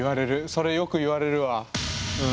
それよく言われるわ。